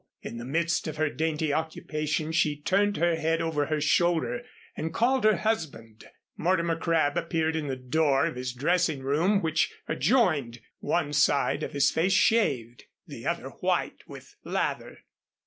In the midst of her dainty occupation she turned her head over her shoulder and called her husband. Mortimer Crabb appeared in the door of his dressing room which adjoined, one side of his face shaved, the other white with lather.